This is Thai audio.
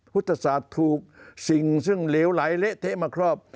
พุทธศาสตร์ถูกสิ่งซึ่งเหลวไหลเละเทะมาครอบ